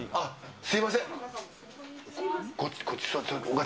すみません。